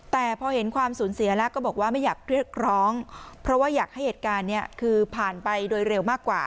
แต่พอเห็นความสูญเสียแล้วก็บอกว่าไม่อยากเรียกร้องเพราะว่าอยากให้เหตุการณ์นี้คือผ่านไปโดยเร็วมากกว่า